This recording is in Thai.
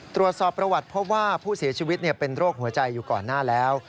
ตรวจสอบประวัติพบว่าผู้เสียชีวิตเป็นโรคหัวใจอยู่ก่อนหน้าแล้ว